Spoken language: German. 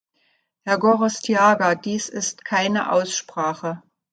Herr Gorostiaga, dies ist keine Aussprache.